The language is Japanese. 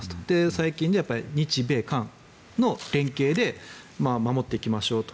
最近、日米韓の連携で守っていきましょうと。